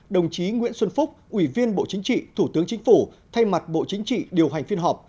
đồng chí nguyễn xuân phúc ủy viên bộ chính trị thủ tướng chính phủ thay mặt bộ chính trị điều hành phiên họp